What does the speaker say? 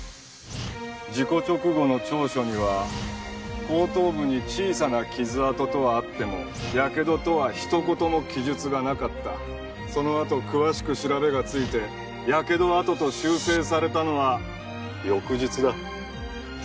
事故直後の調書には後頭部に小さな傷痕とはあってもやけどとは一言も記述がなかったそのあと詳しく調べがついてやけど痕と修正されたのは翌日だ